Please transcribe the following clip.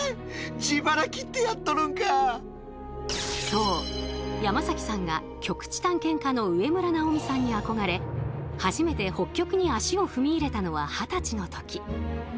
そう山崎さんが極地探検家の植村直己さんに憧れ初めて北極に足を踏み入れたのは二十歳の時。